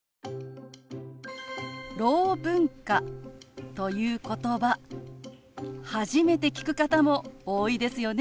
「ろう文化」ということば初めて聞く方も多いですよね。